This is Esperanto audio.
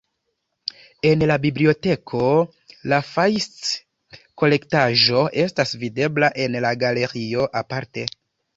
En la biblioteko la Fajszi-kolektaĵo estas videbla en la galerio aparte.